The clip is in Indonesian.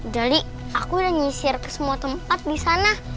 dali aku udah nyisir ke semua tempat disana